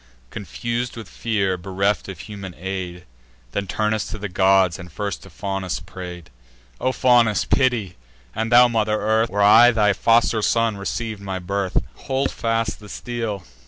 Confus'd with fear, bereft of human aid, Then Turnus to the gods, and first to Faunus pray'd: "O Faunus, pity! and thou Mother Earth, Where I thy foster son receiv'd my birth, Hold fast the steel!